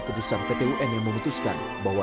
keputusan ptun yang memutuskan bahwa